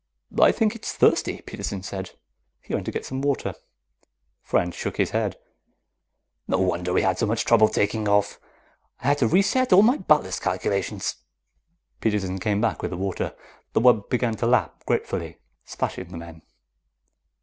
"I think it's thirsty," Peterson said. He went to get some water. French shook his head. "No wonder we had so much trouble taking off. I had to reset all my ballast calculations." Peterson came back with the water. The wub began to lap gratefully, splashing the men.